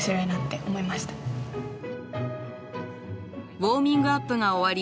ウォーミングアップが終わり